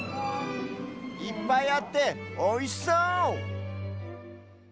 いっぱいあっておいしそう！